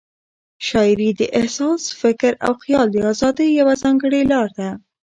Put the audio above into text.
شاعري د احساس، فکر او خیال د آزادۍ یوه ځانګړې لار ده.